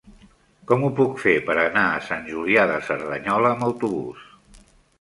Com ho puc fer per anar a Sant Julià de Cerdanyola amb autobús?